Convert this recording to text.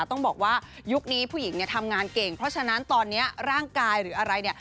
ต้องบอกว่ายุคนี้ผู้หญิงเนี่ยทำงานเก่งเพราะฉะนั้นตอนนี้ร่างกายหรืออะไรเนี่ย